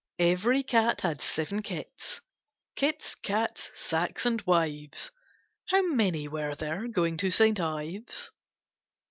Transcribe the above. Every cat had seven kits : Kits, cats, sacks, and wives. How many were there going to St. Ives?'